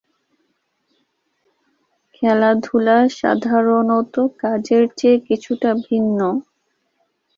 খেলাধুলা সাধারণত কাজের চেয়ে কিছুটা ভিন্ন।